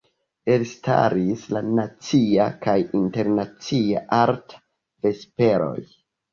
Elstaris la Nacia kaj Internacia Arta Vesperoj.